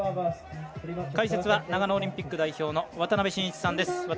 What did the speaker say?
解説は長野オリンピック代表の渡辺伸一さんです。